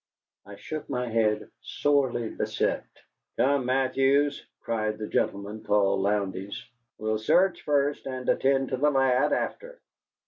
I shook my head, sorely beset. "Come, Mathews," cried the gentleman called Lowndes. "We'll search first, and attend to the lad after."